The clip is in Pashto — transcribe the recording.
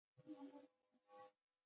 په ثابتې پانګې باندې ورزیاتول بله لاره ده